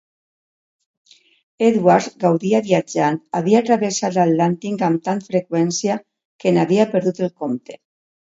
Edwards gaudia viatjant, havia travessat l'Atlàntic amb tant freqüència que n'havia perdut el compte.